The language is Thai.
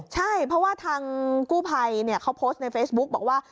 ใช่เพราะว่าทางกู้ภัยเขาโพสต์ในเฟซบุ๊กบอกว่า